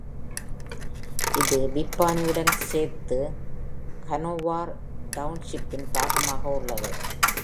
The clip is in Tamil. இது விப்பானி உடன் சேர்த்து ஹனோவார் டவுன்ஷிப்பின் பாகமாக உள்ளது.